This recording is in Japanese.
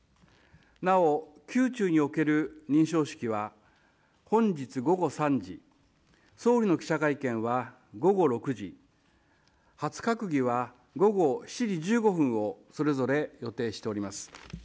なお宮中における認証式は本日午後３時、総理の記者会見は午後６時、初閣議は午後７時１５分をそれぞれ予定しています。